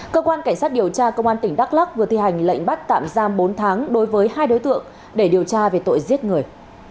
cơ quan cảnh sát điều tra công an tỉnh đắk lắc vừa thi hành lệnh bắt tạm giam bốn tháng đối với hai đối tượng để điều tra về tội giết người